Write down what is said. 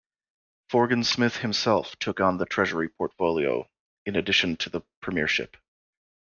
Forgan Smith himself took on the Treasury portfolio in addition to the premiership.